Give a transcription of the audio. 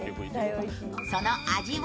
その味は？